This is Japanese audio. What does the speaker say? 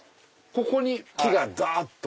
ここに木がだっと。